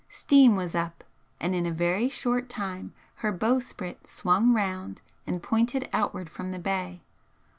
Steam was up, and in a very short time her bowsprit swung round and pointed outward from the bay.